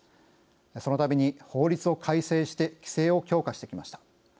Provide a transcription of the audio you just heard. そのたびに法律を改正して規制を強化してきました。